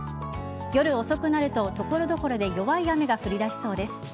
夜遅くなると所々で弱い雨が降り出しそうです。